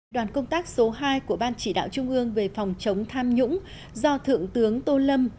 đoàn công tác số hai của ban chỉ đạo trung ương về phòng chống tham nhũng do thượng tướng tô lâm